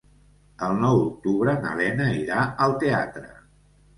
El nou d'octubre na Lena irà al teatre.